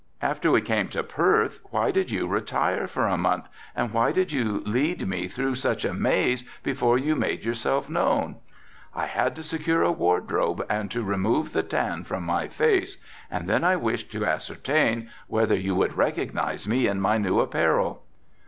"After we came to Perth, why did you retire for a month and why did you lead me through such a maze before you made yourself known?" "I had to secure a wardrobe and to remove the tan from my face and then I wished to ascertain whether you would recognize me in my new apparel."